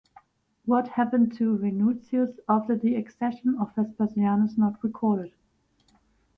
What happened to Venutius after the accession of Vespasian is not recorded.